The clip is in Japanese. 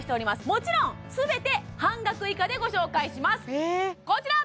もちろん全て半額以下でご紹介しますこちら！